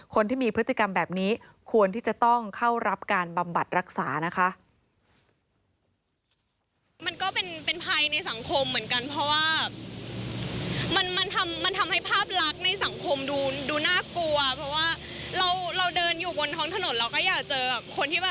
คนที่มีพฤติกรรมแบบนี้ควรที่จะต้องเข้ารับการบำบัดรักษานะคะ